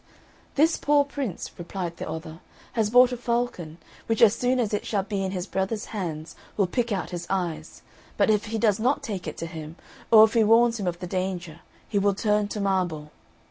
"This poor Prince," replied the other, "has bought a falcon, which as soon as it shall be in his brother's hands will pick out his eyes; but if he does not take it to him, or if he warns him of the danger, he will turn to marble."